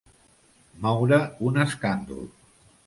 Moure un escàndol.